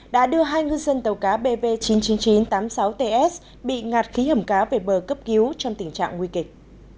đã đưa hai ngư dân tàu cá bv chín mươi chín nghìn chín trăm tám mươi sáu ts bị ngạt khí hầm cá về bờ cấp cứu trong tình trạng nguy kịch